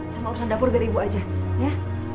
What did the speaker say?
sama urusan dapur dari ibu aja ya